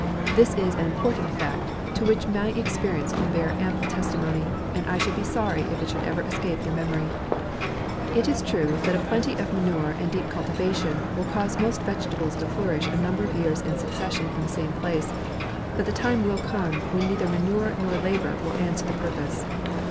This is an important fact, to which my experience can bear am ple testimony, and I should be sorry if it should ever escape your memory. It is true, that a plenty of manure and deep cultivation, will cause most vegetables to flourish a number of years in succession in the same place ; but the time will come, when neither manure nor labour will answer the purpose.